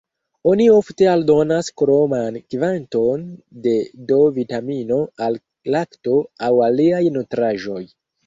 Oni ofte aldonas kroman kvanton de D-vitamino al lakto aŭ aliaj nutraĵoj.